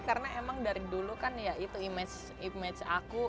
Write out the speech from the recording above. karena emang dari dulu kan ya itu image aku